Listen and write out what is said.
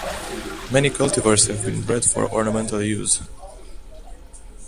Many cultivars have been bred for ornamental use.